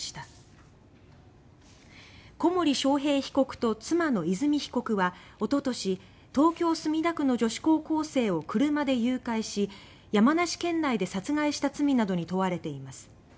小森章平被告と妻の和美被告はおととし東京・墨田区の女子高校生を車で誘拐し山梨県内で殺害した罪などに問われています。